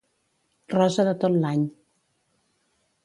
Rosa de tot l'any.